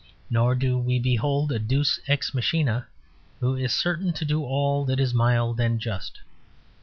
Nor do we behold a deus ex machina who is certain to do all that is mild and just.